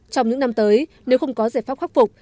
trong những năm tới nếu không có giải pháp khắc phục